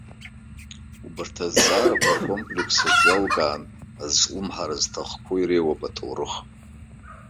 Убарҭ азҵаарақәа ркомплекс аҿы иалкаан азҿлымҳара зҭахқәоу иреиуоуп аҭоурых.